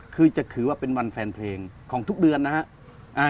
คือจะถือว่าเป็นวันแฟนเพลงของทุกเดือนนะครับ